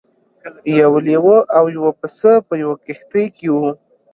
یو لیوه او یو پسه په یوه کښتۍ کې وو.